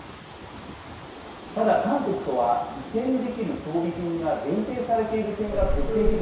ただ韓国とは移転できる装備品が限定されている点が決定的に違い